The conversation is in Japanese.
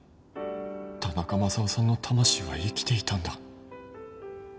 田中マサオさんの魂は生きていたんだ